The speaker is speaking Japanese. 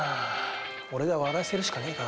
俺が笑わせるしかねえか。